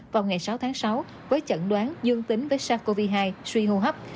vào ngày sáu tháng sáu với chẩn đoán dương tính với sars cov hai suy hô hấp